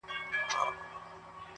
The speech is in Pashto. له نیکه نکل هېر سوی افسانه هغسي نه ده -